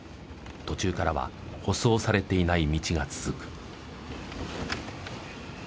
途中からは舗装されていない道が続く。